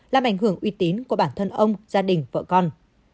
làm ảnh hưởng uy tín của bản thân ông gia đình vợ con